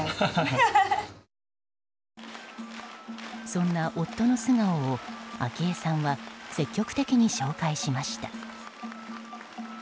そんな夫の素顔を昭恵さんは積極的に紹介しました。